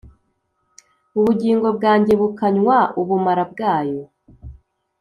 ubugingo bwanjye bukanywa ubumara bwayo